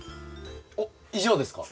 おっ以上ですか？